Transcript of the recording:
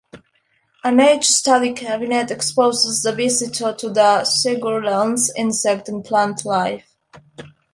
A nature study cabinet exposes the visitor to the Siegerland's insect and plant life.